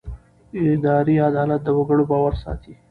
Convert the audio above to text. اداري عدالت د وګړو باور ساتي.